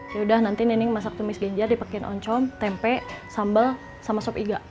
yaudah nanti nining masak tumis genyar dipakain oncom tempe sambal sama sop iga